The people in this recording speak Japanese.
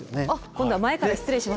今度は前から失礼します。